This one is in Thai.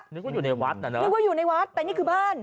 นึกว่าอยู่ในวัดน่ะเนอะนึกว่าอยู่ในวัดแต่นี่คือบ้าน